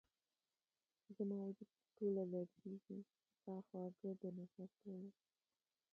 زما وجود ټوله لرزیږې ،ستا خواږه ، دنظر ټوله